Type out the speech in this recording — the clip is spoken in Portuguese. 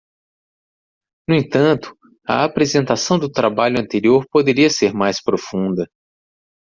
No entanto? a apresentação do trabalho anterior poderia ser mais profunda.